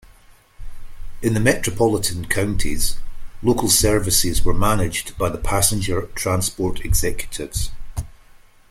In the metropolitan counties, local services were managed by the Passenger Transport Executives.